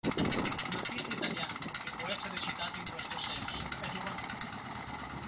Un artista italiano che può essere citato in questo senso è Jovanotti.